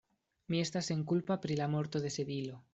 Mi estas senkulpa pri la morto de Sedilo.